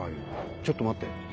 ちょっと待って。